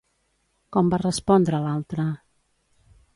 Com va respondre l'altre?